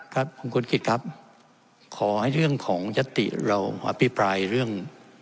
ครับคุณกิจครับขอให้เรื่องของยัตติเราอภิปรายเรื่อง